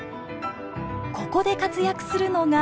ここで活躍するのがＴＭＡＯ。